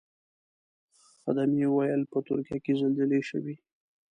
خدمې ویل په ترکیه کې زلزلې شوې.